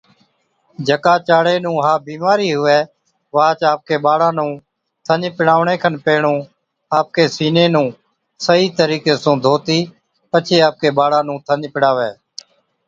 جڪا چاڙي نُون ها بِيمارِي هُوَي واهچ آپڪي ٻاڙا نُون ٿَڃ پِڙاوَڻي کن پيهڻُون آپڪي سِيني نُون صحِيح طريقي سُون ڌوتِي پڇي آپڪي ٻاڙا نُون ٿَڃ پِڙاوَي